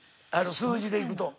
数字でいくと。